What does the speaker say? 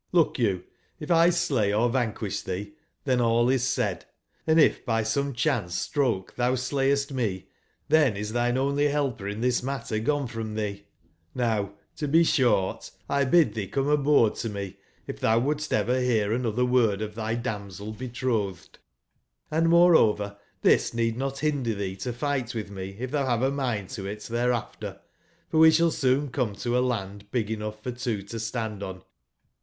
Look you, if 1 slay or vanquish tbee, tben all is said; and if by some cbance stroke tbou slayest me, tben is tbine only belper in tbis matter gone from tbee. ]^ow to be sbort, t bid tbee come aboard to me if tbou wouldst ever bear an other word of tby damsel bctrotbed. Hnd moreover tbis need not binder tbee to figbt witb me if tbou bave a mind to it thereafter; for we sball soon come to a land big enough for two to stand on.